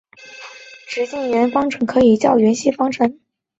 例如求半径到直线距离的方程就可以叫圆系方程。